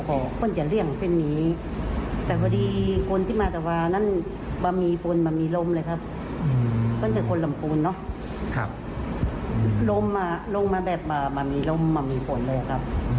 ก็จะเนื่องมามีฝนเลยนะครับ